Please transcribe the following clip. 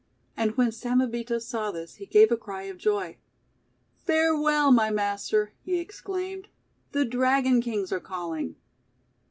And when Samebito saw this he gave a cry of joy. :' Farewell, my master!" he exclaimed. "The Dragon Kings are calling!'